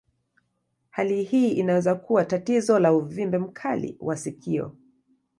Hali hii inaweza kuwa tatizo la uvimbe mkali wa sikio.